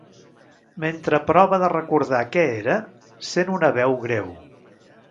Mentre prova de recordar què era sent una veu greu.